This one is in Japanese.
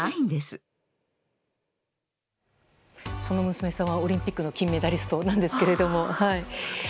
その娘さんはオリンピックの金メダリストなんですけれども。